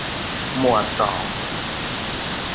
หมวดสอง